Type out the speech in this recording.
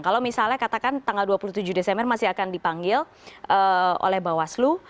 kalau misalnya katakan tanggal dua puluh tujuh desember masih akan dipanggil oleh bawaslu